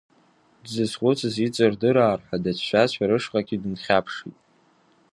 Дзызхәыцыз иҵырдыраар ҳәа дацәшәазшәа, рышҟагьы дынхьаԥшит.